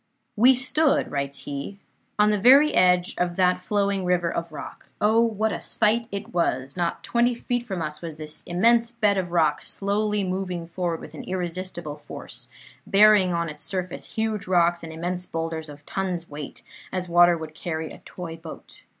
"We stood," writes he, "on the very edge of that flowing river of rock. Oh, what a sight it was! Not twenty feet from us was this immense bed of rock slowly moving forward with irresistible force, bearing on its surface huge rocks and immense boulders of tons' weight as water would carry a toy boat.